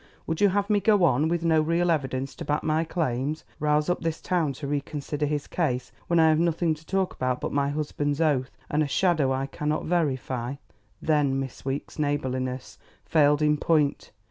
Would you have me go on, with no real evidence to back my claims; rouse up this town to reconsider his case when I have nothing to talk about but my husband's oath and a shadow I cannot verify?" "Then Miss Weeks' neighbourliness failed in point?